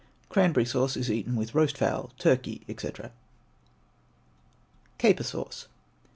Cranberry sauce is eaten with roast fowl, turkey, &c. CAPER SAUCE.